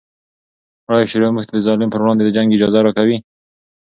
آیا شرع موږ ته د ظالم پر وړاندې د جنګ اجازه راکوي؟